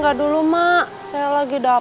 karena aku mulai kacau